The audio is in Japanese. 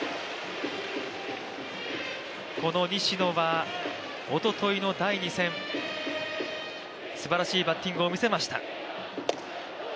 この西野はおとといの第２戦すばらしいバッティングを見せました。